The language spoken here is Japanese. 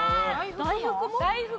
大福も！？